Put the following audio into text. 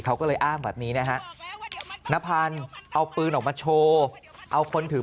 เขาก็เลยอ้างแบบนี้นะฮะนพันธ์เอาปืนออกมาโชว์เอาคนถือ